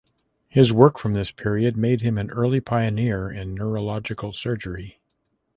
His work from this period made him an early pioneer in neurological surgery.